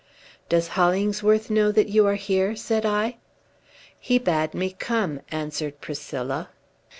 "Does Hollingsworth know that you are here?" said I. "He bade me come," answered Priscilla.